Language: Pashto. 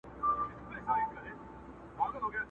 په دې تاریکو افسانو کي ریشتیا ولټوو٫